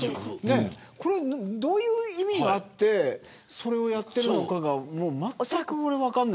どういう意味があってそれをやっているのかがまったく分からない。